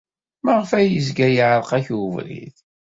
Maɣef ay yezga iɛerreq-ak ubrid?